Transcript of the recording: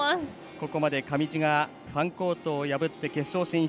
ここまで上地がファンコートを破って決勝進出。